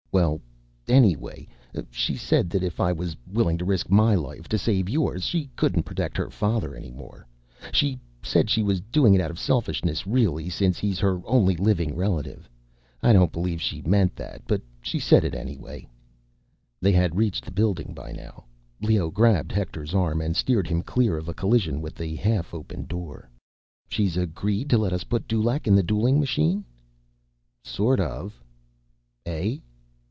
Well, anyway, she said that if I was willing to risk my life to save yours, she couldn't protect her father any more. Said she was doing it out of selfishness, really, since he's her only living relative. I don't believe she meant that, but she said it anyway." They had reached the building by now. Leoh grabbed Hector's arm and steered him clear of a collision with the half open door. "She's agreed to let us put Dulaq in the dueling machine?" "Sort of." "Eh?"